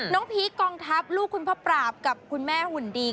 พีคกองทัพลูกคุณพ่อปราบกับคุณแม่หุ่นดี